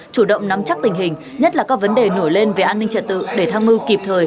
chủ động nắm chắc tình hình nhất là các vấn đề nổi lên về an ninh trật tự để tham mưu kịp thời